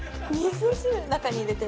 中に入れて？